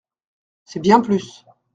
C’est bien plus.